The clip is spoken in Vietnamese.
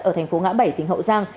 ở thành phố ngã bảy tỉnh hậu giang